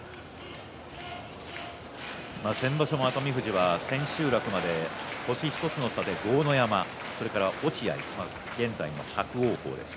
先場所も熱海富士は千秋楽まで星１つの差で豪ノ山落合、現在の伯桜鵬です